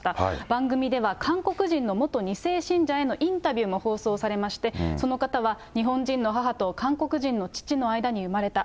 番組では、韓国人の元２世信者へのインタビューも放送されまして、その方は日本人の母と韓国人の父の間に生まれた。